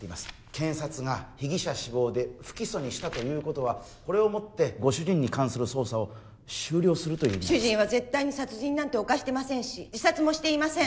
検察が被疑者死亡で不起訴にしたということはこれをもってご主人に関する捜査を終了するという意味に主人は絶対に殺人なんて犯してませんし自殺もしてません